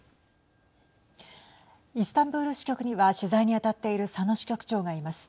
イスタンブール支局には取材に当たっている佐野支局長がいます。